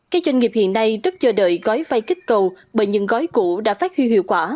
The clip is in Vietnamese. các doanh nghiệp hiện nay rất chờ đợi gói vay kích cầu bởi những gói cũ đã phát hưu hiệu quả